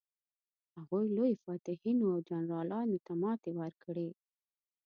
هغوی لویو فاتحینو او جنرالانو ته ماتې ورکړې.